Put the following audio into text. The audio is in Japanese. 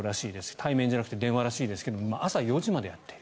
対面じゃなくて電話らしいですが朝４時までやっている。